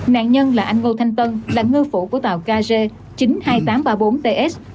nạn nhân là anh ngô thanh tân là ngư phủ của tàu kg chín mươi hai nghìn tám trăm ba mươi bốn ts